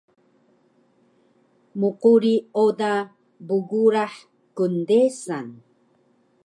mquri oda bgurah kndesan